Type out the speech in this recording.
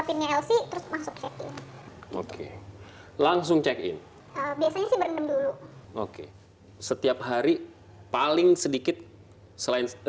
pin lc terus masuk setting oke langsung check in biasanya dulu oke setiap hari paling sedikit selain